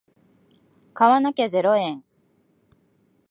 買わなきゃゼロ円